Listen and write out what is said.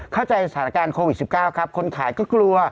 เข้าใจสถานการณ์โควิด๑๙ครับคนขายก็กลัว